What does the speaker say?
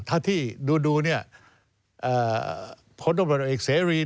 ถ้าที่ดูเนี่ยพลต้นปรณีประนอมอีกซีรีส์